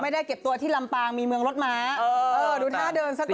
ไม่ได้เก็บตัวที่ลำปางมีเมืองรถม้าเออเออดูท่าเดินซะก่อนเออ